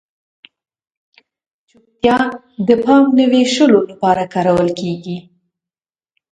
چپتیا د پام نه وېشلو لپاره کارول کیږي.